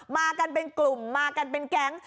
มากันเป็นกลุ่มมากันเป็นแก๊ง